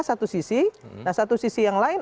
satu sisi nah satu sisi yang lain